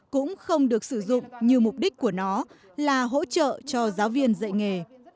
cũng không được sử dụng như mục đích của nó là hỗ trợ cho giáo viên dạy nghề